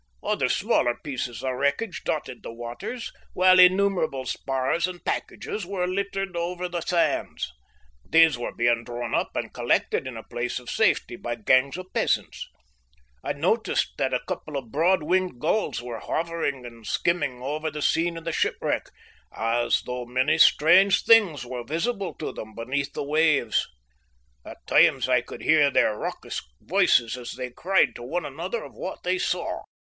Other smaller pieces of wreckage dotted the waters, while innumerable spars and packages were littered over the sands. These were being drawn up and collected in a place of safety by gangs of peasants. I noticed that a couple of broad winged gulls were hovering and skimming over the scene of the shipwreck, as though many strange things were visible to them beneath the waves. At times we could hear their raucous voices as they cried to one another of what they saw.